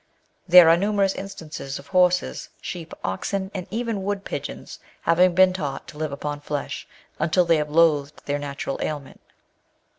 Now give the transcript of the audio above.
There are numerous instances of horses, sheep, oxen, and even wood pigeons, having been taught to live upon flesh, until they have loathed their natural aliment.